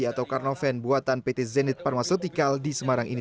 atau karnoven buatan pt zenit pharmaceutical di semarang ini